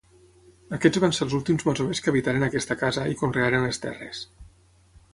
Aquests van ser els últims masovers que habitaren aquesta casa i conrearen les terres.